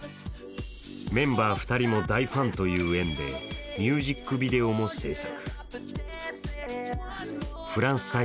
メンバー２人も大ファンという縁でミュージックビデオも製作。